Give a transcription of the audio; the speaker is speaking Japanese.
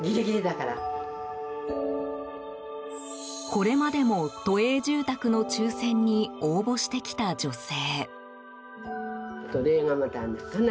これまでも都営住宅の抽選に応募してきた女性。